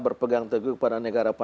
berpegang teguh kepada negara negara kita